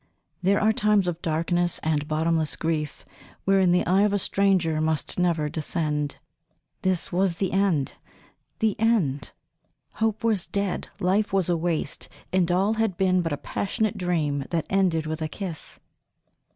There are times of darkness and bottomless grief wherein the eye of a stranger must never descend. This was the end the end! Hope was dead, life was a waste, and all had been but a passionate dream that ended with a kiss!